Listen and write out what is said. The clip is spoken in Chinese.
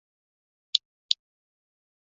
该方法利用的就是这个原理。